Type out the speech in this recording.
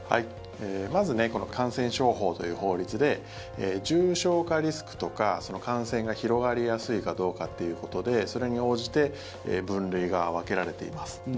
まずこの感染症法という法律で重症化リスクとか感染が広がりやすいかどうかっていうことでそれに応じて分類が分けられています。